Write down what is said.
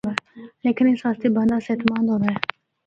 لیکن اس آسطے بندہ صحت مند ہوّا۔